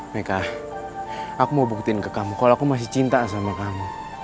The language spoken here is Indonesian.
mereka aku mau buktiin ke kamu kalau aku masih cinta sama kamu